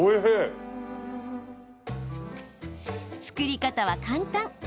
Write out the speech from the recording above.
作り方は簡単。